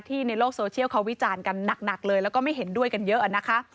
ในโลกโซเชียลเขาวิจารณ์กันหนักเลยแล้วก็ไม่เห็นด้วยกันเยอะนะคะ